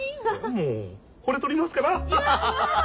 もうほれとりますから。